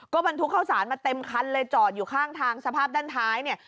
ก็บรรทุกเข้าสารมาเต็มคันเลยจอดอยู่ข้างทางสภาพด้านท้ายเนี่ย